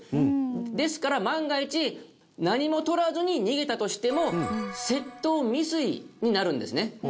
ですから万が一何も取らずに逃げたとしても窃盗未遂になるんですね。